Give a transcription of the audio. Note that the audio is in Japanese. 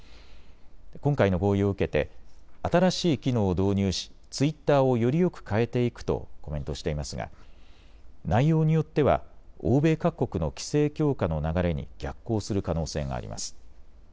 今回の合意を受けて新しい機能を導入しツイッターをよりよく変えていくとコメントしていますが内容によっては欧米各国の規制強化の流れに逆行する可能性があります。